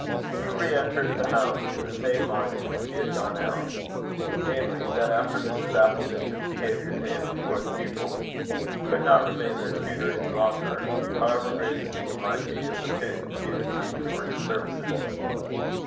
Hugh re entered the house in the same mind in which he had gone out; namely, that after Mrs. Appleditch's behaviour to him before his pupils, he could not remain their tutor any longer, however great his need might be of the pittance he received for his services.